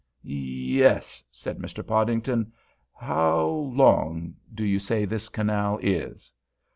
"Yes," said Mr. Podington. "How long did you say this canal is?"